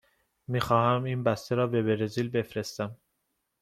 می خواهم این بسته را به برزیل بفرستم.